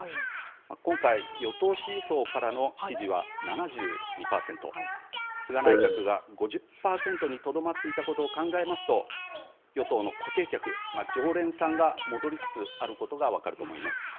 今回、与党支持層からの支持は７２％、菅内閣が５０％にとどまっていたことを考えますと、与党の固定客、常連さんが戻りつつあることが分かると思います。